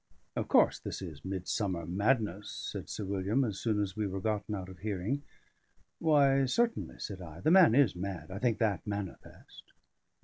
"Of course, this is midsummer madness," said Sir William, as soon as we were gotten out of hearing. "Why, certainly," said I. "The man is mad. I think that manifest."